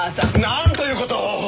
なんということを！